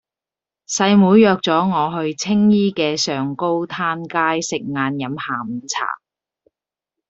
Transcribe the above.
細妹約左我去青衣嘅上高灘街食晏飲下午茶